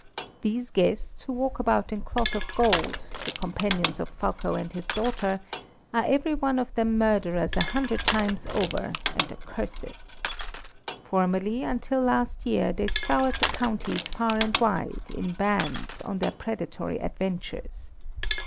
These guests, who walk about in cloth of gold, the companions of Fulko and his daughter, are every one of them murderers a hundred times over, and accursed. Formerly, until last year, they scoured the counties far and wide, in bands, on their predatory adventures.